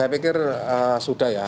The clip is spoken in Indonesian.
saya pikir sudah ya